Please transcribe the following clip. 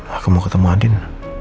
aku mau ketemu adin